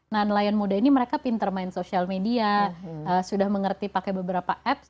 nah nelayan muda ini mereka pinter main social media sudah mengerti pakai beberapa apps